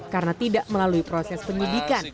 karena tidak melalui proses penyidikan